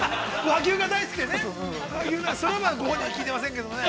◆和牛が大好きでね？